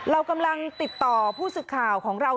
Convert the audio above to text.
เรากำลังติดต่อผู้สึกข่าวของเรา